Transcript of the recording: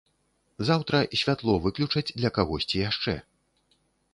Заўтра святло выключаць для кагосьці яшчэ.